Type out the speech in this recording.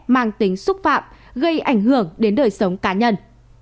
mang tính xúc phạm gây ảnh hưởng đến đời sống cá nhân